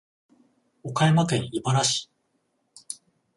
岡山県井原市